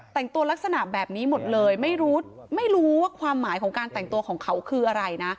แต่งตัวลักษณะแบบนี้หมดเลยไม่รู้ไม่รู้ว่าความหมายของการแต่งตัวของเขาคืออะไรนะ